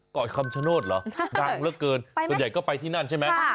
เกาะคำชโนธเหรอดังเหลือเกินส่วนใหญ่ก็ไปที่นั่นใช่ไหม